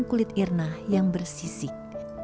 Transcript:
kulit irna yang bersisik